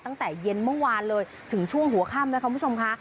ตั้งแต่เย็นเมื่อวานเลยถึงช่วงหัวค่ำนะคะคุณผู้ชมค่ะ